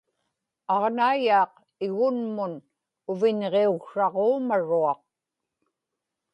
aġnaiyaaq igunmun uviñŋiuqsraġuumaruaq